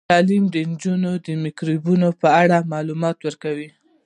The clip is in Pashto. تعلیم نجونو ته د میکروبونو په اړه معلومات ورکوي.